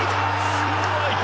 すごい。